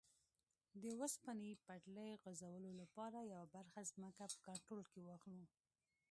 د اوسپنې پټلۍ غځولو لپاره یوه برخه ځمکه په کنټرول کې واخلو.